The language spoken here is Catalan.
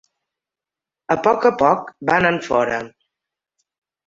A poc a poc van enfora.